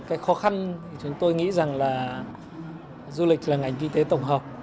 cái khó khăn thì chúng tôi nghĩ rằng là du lịch là ngành kinh tế tổng hợp